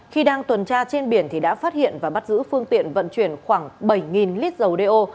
khi đang tuần tra trên biển thì đã phát hiện và bắt giữ phương tiện vận chuyển khoảng bảy lít dầu đeo